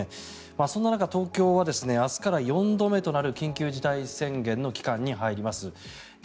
そんな中、東京は明日から４度目となる緊急事態宣言の期間に入ります。